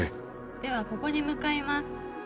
ではここに向かいます。